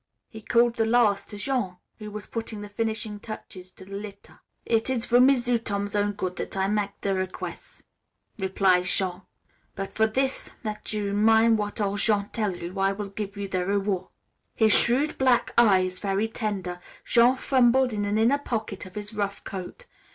He called this last to Jean, who was putting the finishing touches to the litter. "It is for M'sieu' Tom's own good that I mak' the reques'," replied Jean. "But for this, that you min' what ol' Jean tell you, I will give you the rewar'." His shrewd black eyes very tender, Jean fumbled in an inner pocket of his rough coat.